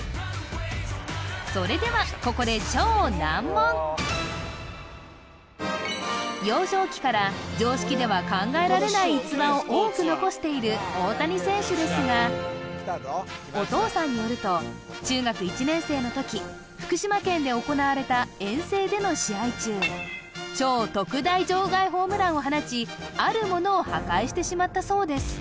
それではここで幼少期から常識では考えられない逸話を多く残している大谷選手ですがお父さんによると中学１年生の時福島県で行われた遠征での試合中超特大場外ホームランを放ちある物を破壊してしまったそうです